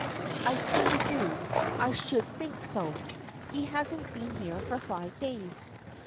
"I see you do. I should think so. He hasn't been here for five days.